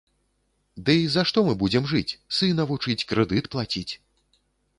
Дый за што мы будзем жыць, сына вучыць, крэдыт плаціць?